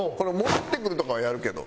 戻ってくるとかはやるけど。